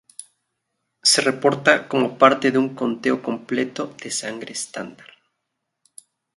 Se reporta como parte de un conteo completo de sangre estándar.